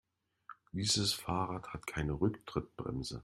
Dieses Fahrrad hat keine Rücktrittbremse.